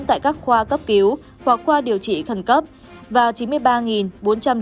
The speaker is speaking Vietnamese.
tại các khoa cấp cứu hoặc khoa điều trị khẩn cấp và chín mươi ba bốn trăm linh tám ca nhập viện là người trưởng thành mắc